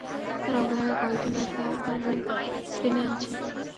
তার অগ্রভাগে কয়েকজন লোক তা ধরে টেনে আনছে।